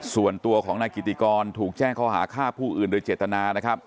ส่วนตัวของนายกิติกรถูกแจ้งข้อหาฆ่าผู้อื่นโดยเจตนานะครับ